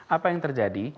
apa yang terjadi